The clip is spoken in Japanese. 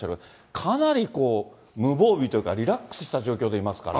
かなり無防備というか、リラックスした状況でいますから。